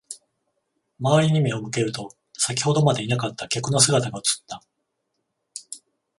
周りに目を向けると、先ほどまでいなかった客の姿が映った。